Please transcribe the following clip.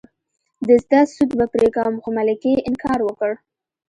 د زده سود به پرې کوم خو ملکې انکار وکړ.